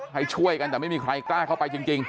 ให้ช่วยกันแต่ไม่มีใครกล้าเข้าไปจริง